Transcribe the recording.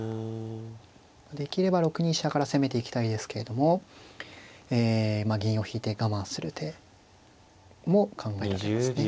できれば６二飛車から攻めていきたいですけれどもえ銀を引いて我慢する手も考えられますね。